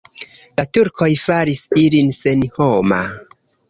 La turkoj faris ilin senhoma.